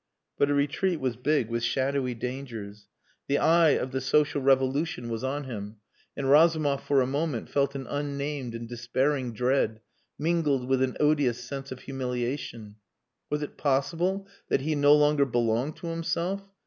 But a retreat was big with shadowy dangers. The eye of the social revolution was on him, and Razumov for a moment felt an unnamed and despairing dread, mingled with an odious sense of humiliation. Was it possible that he no longer belonged to himself?